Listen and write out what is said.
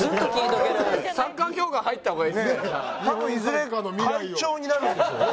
多分いずれ会長になるんでしょうね。